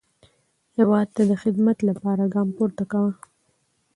هیواد ته د خدمت لپاره ګام پورته کاوه.